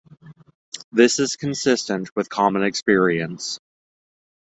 This is consistent with common experience.